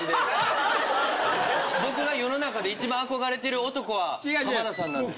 僕が世の中で一番憧れてる男は浜田さんなんです。